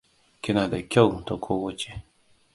Kina da kyau ta kowace.